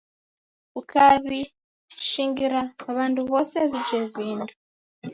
Ukaw'ishingira w'andu wose w'ije vindo